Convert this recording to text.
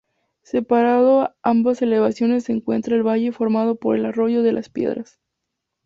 Separando ambas elevaciones se encuentra el valle formado por el Arroyo de las Piedras.